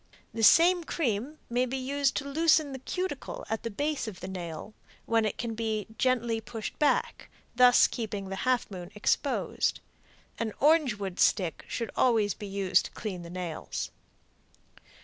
The same cream may be used to loosen the cuticle at the base of the nail, when it can be gently pushed back, thus keeping the half moon exposed. An orange wood stick should always be used to clean the nails.